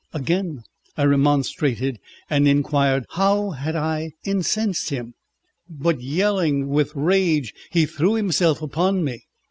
Again I remonstrated, and inquired how I had incensed him. But yelling with rage, he threw himself upon me.